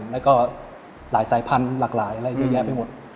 แล้วก็หลายสายพันธุ์หลากหลายอะไรเยอะแยะไปหมด